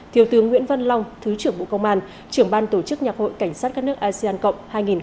thiếu tướng nguyễn văn long thứ trưởng bộ công an trưởng ban tổ chức nhạc hội cảnh sát các nước asean cộng hai nghìn hai mươi